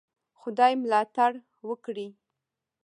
خدای ملاتړ وکړی.